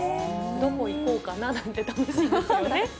どこ行こうかななんて楽しみですよね。